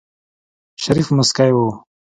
شريف موسکی و.